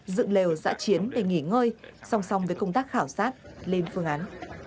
dựng lều giã chiến để nghỉ ngơi song song với công tác khảo sát lên phương án